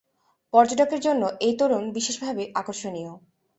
পর্যটকের জন্য এই তোরণ বিশেষভাবে আকর্ষণীয়।